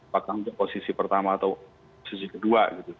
bahkan untuk posisi pertama atau posisi kedua gitu ya